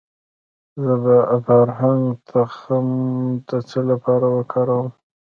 د بارهنګ تخم د څه لپاره وکاروم؟